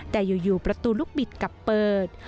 แต่อยู่ประตูลูกบิดกลับเปิด